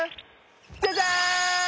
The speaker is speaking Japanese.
ジャジャン！